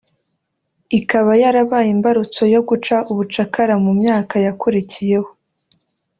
ikaba yarabaye imbarutso yo guca ubucakara mu myaka yakurikiyeho